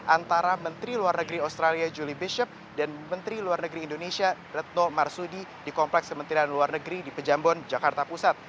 antara menteri luar negeri australia julie bicep dan menteri luar negeri indonesia retno marsudi di kompleks kementerian luar negeri di pejambon jakarta pusat